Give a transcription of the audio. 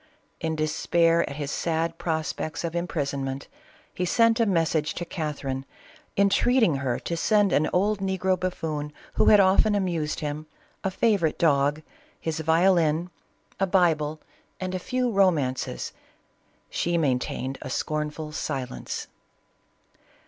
In despair at his sad prospects of imprisonment, he sent a message to Catherine, entreating her to send an old negro buffoon who had often amused him, a fa vorite dog, his violin, a Bible, and a few romances. She maintained a scornful silence.